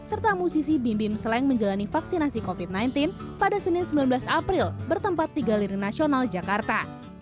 serta musisi bim bim seleng menjalani vaksinasi covid sembilan belas pada senin sembilan belas april bertempat di galeri nasional jakarta